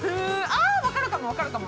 分かるかも、分かるかも。